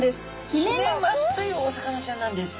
ヒメマスというお魚ちゃんなんです！